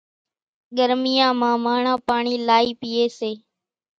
ڳرميان مان ماڻۿان پاڻِي لائِي پيئيَ سي۔